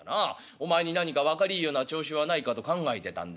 お前に何か分かりいいような調子はないかと考えてたんだが。